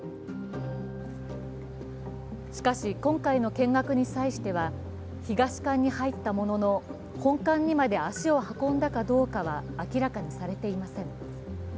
しかし今回の見学に際しては東館に入ったものの本館にまで足を運んだかどうかは明らかにされていません。